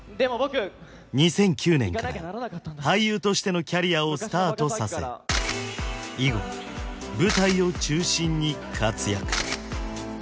２００９年から俳優としてのキャリアをスタートさせ以後舞台を中心に活躍